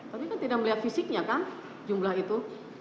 tapi kan tidak melihat fisiknya kan jumlah itu